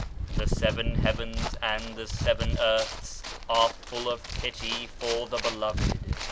"The seven heavens and the seven earths arc full of pity for the Beloved."